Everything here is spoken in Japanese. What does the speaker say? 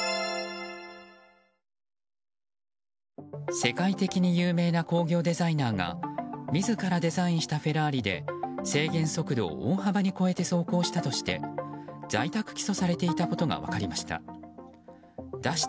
世界的に有名な工業デザイナーが自らデザインしたフェラーリで制限速度を大幅に超えて走行したとして在宅起訴されていたことが分かりました。